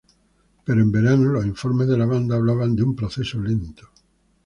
Pero en el verano los informes de la banda hablaban de un proceso lento.